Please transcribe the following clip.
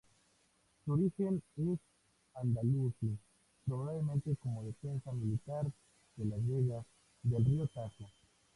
Su origen es andalusí, probablemente como defensa militar de las vegas del río Tajo.